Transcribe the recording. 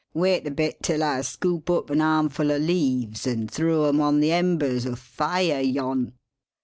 Wait a bit till Ah scoop up an armful o' leaves and throw 'em on the embers o' fire yon."